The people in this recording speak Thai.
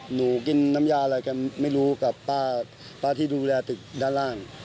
หนูกินน้ำยาอะไรกันไม่รู้กับป้าที่ดูแลตึกด้านล่าง